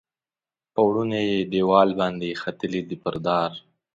پوړونی یې دیوال باندې ختلي دي پر دار